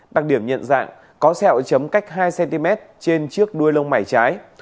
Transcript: đặc điểm nhận dạng có sẹo chấm cách hai cm trên chiếc đuôi lông mải trái